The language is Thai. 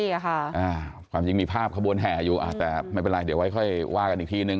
จริงมีภาพขบรวณแหียร์อยู่แต่ไม่เป็นไรเดี๋ยวไว้ค่อยว่าด้วยอีกทีนึง